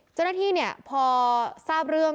เจ้าหน้าที่พอทราบเรื่อง